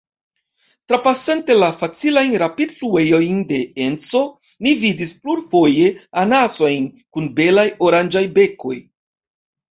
Trapasante la facilajn rapidfluejojn de Enco, ni vidis plurfoje anasojn kun belaj oranĝaj bekoj.